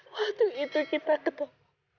waktu itu kita ketawa